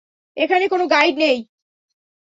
এখানে কোন গাইড নেই।